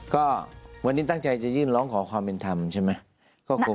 ก็วันนี้ตั้งใจจะยื่นร้องขอความเป็นธรรมใช่ไหม